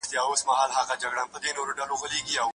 د قصاص حکم عادلانه دی.